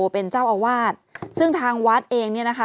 เป็นเจ้าอาวาสซึ่งทางวัดเองเนี่ยนะคะ